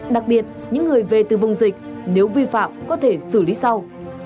đặc biệt những người về từ vùng dịch nếu vi phạm có thể xử lý sau